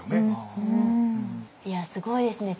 いやすごいですね